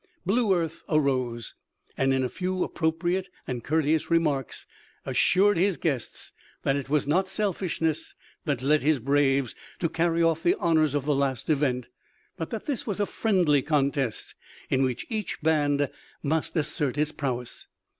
Blue Earth arose, and in a few appropriate and courteous remarks assured his guests that it was not selfishness that led his braves to carry off the honors of the last event, but that this was a friendly contest in which each band must assert its prowess.